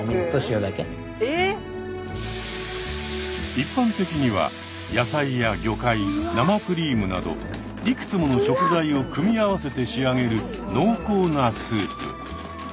一般的には野菜や魚介生クリームなどいくつもの食材を組み合わせて仕上げる濃厚なスープ。